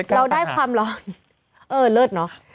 เราได้ความร้อนเออเลิศเนอะ